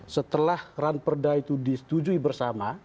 setelah ranperda itu disetujui bersama